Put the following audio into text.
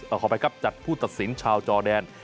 เอาความไว้ครับจัดผู้ตัดสินชาวจอแดน